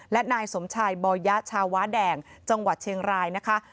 และนายสมชายบอยะชาวาแดงจังหวัดเชียงรายนะคะ